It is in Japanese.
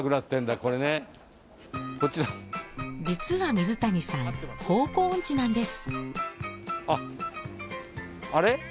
実は水谷さん方向音痴なんです。